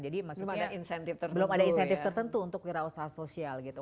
jadi maksudnya belum ada insentif tertentu untuk wirausaha sosial gitu